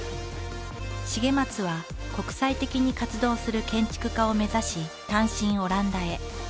重松は国際的に活動する建築家を目指し単身オランダへ。